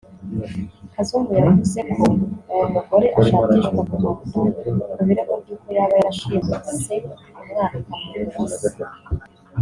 Kazungu yavuze ko uwo mugore ashakishwa mu Rwanda ku birego by’uko yaba yarashimuse umwana akamwambura Se